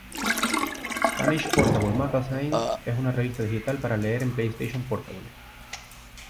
Spanish Portable Magazine es una revista digital para leer en la PlayStation Portable.